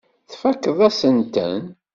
Tfakkeḍ-asent-ten.